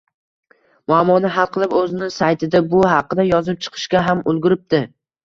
muammoni hal qilib o‘zini saytida bu haqida yozib chiqishga ham ulguribdi.